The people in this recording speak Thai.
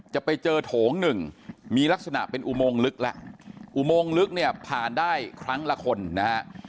จะไปเจอโถงหนึ่งมีลักษณะเป็นอุโมงลึกแล้วอุโมงลึกเนี่ยผ่านได้ครั้งละคนนะฮะ